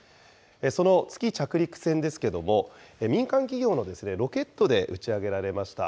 その月着陸船ですけれども、民間企業のロケットで打ち上げられました。